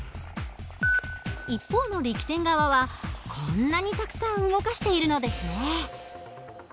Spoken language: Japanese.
一方の力点側はこんなにたくさん動かしているのですね。